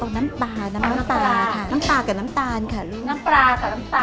เอาน้ำตาน้ำตาน้ำตากับน้ำตาลค่ะลูกน้ำปลากับน้ำตาลขอน้ำตาลหน่อยค่ะ